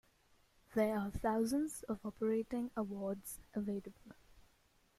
There are thousands of operating awards available.